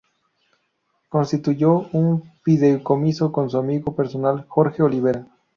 Constituyó un fideicomiso con su amigo personal Jorge Olivera.